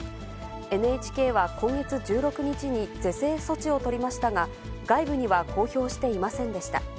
ＮＨＫは今月１６日に是正措置を取りましたが、外部には公表していませんでした。